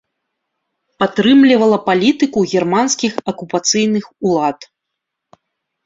Падтрымлівала палітыку германскіх акупацыйных улад.